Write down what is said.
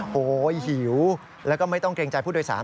โอ้โหหิวแล้วก็ไม่ต้องเกรงใจผู้โดยสาร